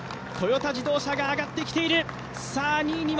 トヨタ自動車が上がってきている。